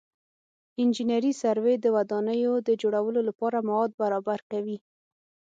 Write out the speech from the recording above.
انجنیري سروې د ودانیو د جوړولو لپاره مواد برابر کوي